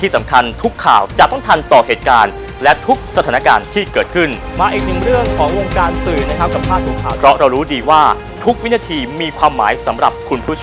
สวัสดีครับ